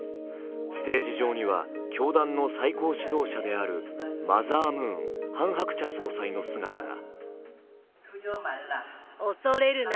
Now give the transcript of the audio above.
ステージ上には教壇の最高指導者であるマザームーンハン・ハクチャ総裁の姿が。